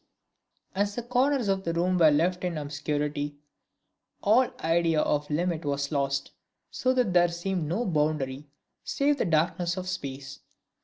As the corners of the room were left in obscurity, all idea of limit was lost, so that there seemed no boundary save the darkness of space.